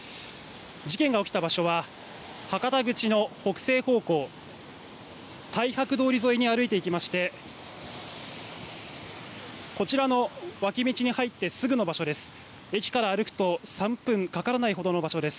事件が起きた場所は博多口の北西方向、大博通り沿いに歩いていきましてこちらの脇道に入ってすぐの場所です。